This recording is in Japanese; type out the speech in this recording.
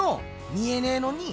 見えねぇのに？